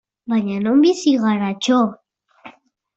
Baina non bizi gara, txo!